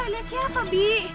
lihat siapa bi